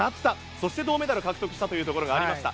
そして銅メダル獲得したところがありました。